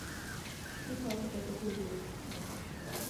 იგი ქალაქის ერთ-ერთი უძველესი ქუჩაა.